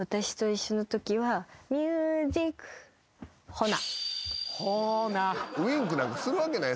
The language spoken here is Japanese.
「ほな」